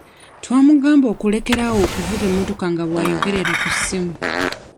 Twamugamba okulekera awo okuvuga emmotoka nga bw'ayogerera ku ssimu.